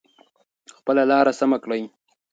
خپله لاره سمه کړئ.